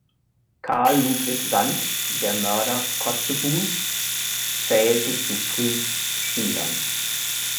Karl Ludwig Sand, der Mörder Kotzebues, zählte zu Fries’ Schülern.